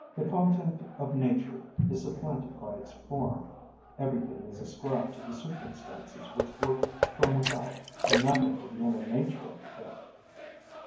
The content of nature is supplanted by its form, everything is ascribed to the circumstances which work from without, and nothing to the inner nature of the thing.